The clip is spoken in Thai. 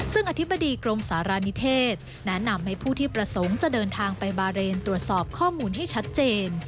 ซึ่งอธิบดีกรมสารณิเทศแนะนำให้ผู้ที่ประสงค์จะเดินทางไปบาเรนตรวจสอบข้อมูลให้ชัดเจน